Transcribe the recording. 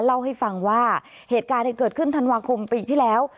เล่าให้ฟังว่าเหตุการณ์เกิดขึ้นธันวาคมปีที่แล้ว